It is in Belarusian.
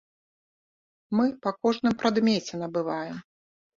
Мы па кожным прадмеце набываем.